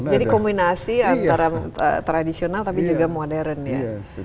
jadi kombinasi antara tradisional tapi juga modern ya